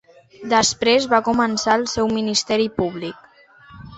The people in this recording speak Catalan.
Després va començar el seu ministeri públic.